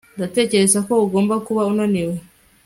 ndatekereza ko ugomba kuba unaniwe